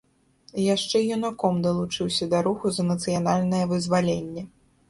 Яшчэ юнаком далучыўся да руху за нацыянальнае вызваленне.